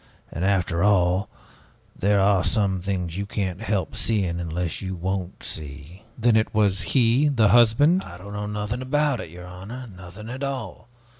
And after all, there are some things that you can't help seeing unless you won't see!" "Then it was he, the husband " "I know nothing about it, your honor, nothing at all!